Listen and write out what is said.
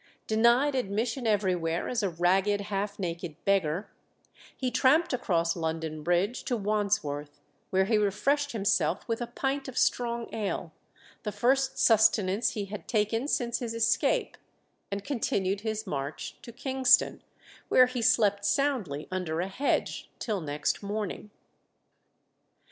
Denied admission everywhere as a ragged, half naked beggar, he tramped across London Bridge to Wandsworth, where he refreshed himself with a pint of strong ale, the first sustenance he had taken since his escape, and continued his march to Kingston, where he slept soundly under a hedge till next morning.